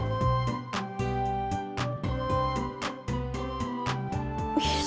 siapa sih ini orang